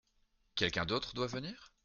Quelqu’un d’autre doit venir ?